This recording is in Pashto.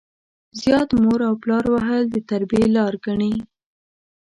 زيات مور او پلار وهل د تربيې لار ګڼي.